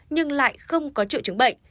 nhưng lại không có triệu chứng bệnh